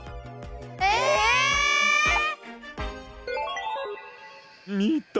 ええ！みた？